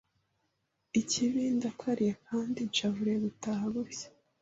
Ikibi ndakariye kandi nshavuriye gutaha gutya